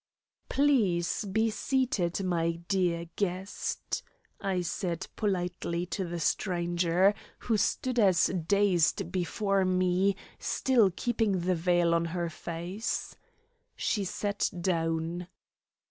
"Please be seated, my dear guest," I said politely to the stranger, who stood as dazed before me, still keeping the veil on her face. She sat down.